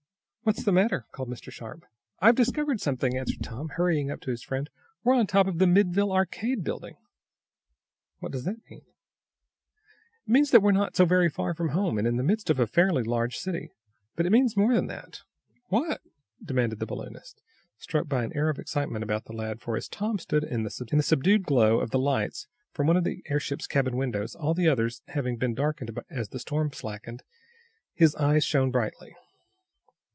"What's the matter?" called Mr. Sharp. "I've discovered something," answered Tom, hurrying up to his friend. "We're on top of the Middleville Arcade building." "What does that mean?" "It means that we're not so very far from home, and in the midst of a fairly large city. But it means more than that." "What?" demanded the balloonist, struck by an air of excitement about the lad, for, as Tom stood in the subdued glow of the lights from one of the airship's cabin windows, all the others having been darkened as the storm slackened, his, eyes shone brightly.